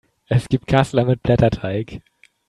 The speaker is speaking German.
Es gibt Kassler mit Blätterteig.